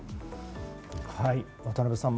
渡辺さん